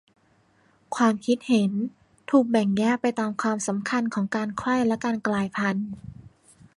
ความคิดเห็นถูกแบ่งแยกไปตามความสำคัญของการไขว้กับการกลายพันธุ์